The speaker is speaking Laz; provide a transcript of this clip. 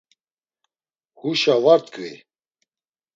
Huşa var tkvi.